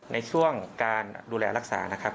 ในช่วงการดูแลรักษานะครับ